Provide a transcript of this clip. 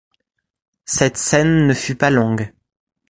Cette scène ne fut pas longue